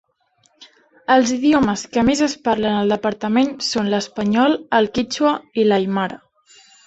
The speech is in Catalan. Els idiomes que més es parlen al departament són l'espanyol, el quítxua i l'aimara.